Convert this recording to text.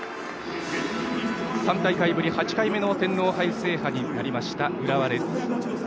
３大会ぶり８回目の天皇杯制覇となりました浦和レッズ。